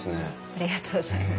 ありがとうございます。